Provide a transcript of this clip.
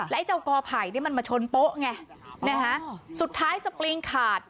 ไอ้เจ้ากอไผ่นี่มันมาชนโป๊ะไงนะฮะสุดท้ายสปริงขาด